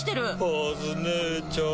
カズ姉ちゃん。